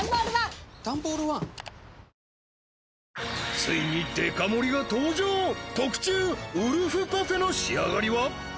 ついにデカ盛が登場特注ウルフパフェの仕上がりはんんっ！